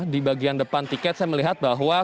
di bagian depan tiket saya melihat bahwa